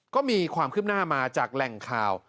ก็มีความคืบหน้ามาจากแหล่งข่าว